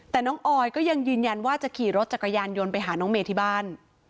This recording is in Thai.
แต่น้องออยก็ยังยืนยันว่าจะขี่รถจักรยานยนต์ไปหาน้องเมย์ที่บ้าน